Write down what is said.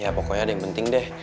ya pokoknya ada yang penting deh